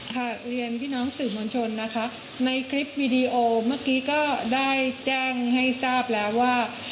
เรียนพี่น้องสื่อมวลชนนะคะในคลิปวีดีโอเมื่อกี้ก็ได้แจ้งให้ทราบแล้วว่า